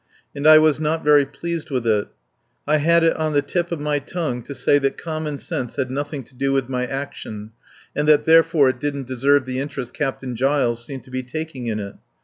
And I was not very pleased with it. I had it on the tip of my tongue to say that common sense had nothing to do with my action, and that therefore it didn't deserve the interest Captain Giles seemed to be taking in it.